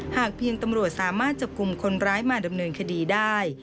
หากเพียงตำรวจสามารถจับกลุ่มคนร้ายมาดำเนินคดีได้